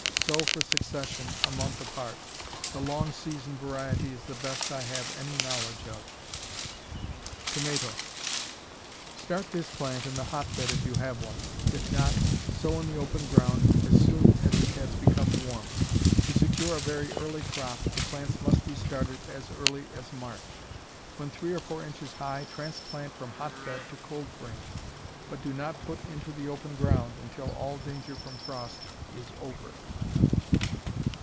Sow for succession, a month apart. The Long Season variety is the best I have any knowledge of. Tomato Start this plant in the hotbed if you have one. If not, sow in the open ground as soon as it has become warm. To secure a very early crop the plants must be started as early as March. When three or four inches high transplant from hotbed to cold frame, but do not put into the open ground until all danger from frost is over.